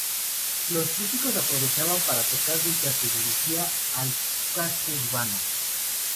Los músicos aprovechaban para tocar mientras se dirigían al casco urbano.